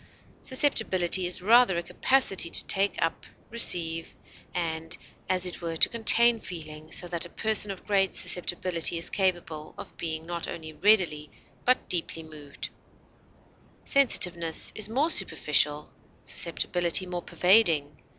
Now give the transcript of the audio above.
Susceptibility is rather a capacity to take up, receive, and, as it were, to contain feeling, so that a person of great susceptibility is capable of being not only readily but deeply moved; sensitiveness is more superficial, susceptibility more pervading.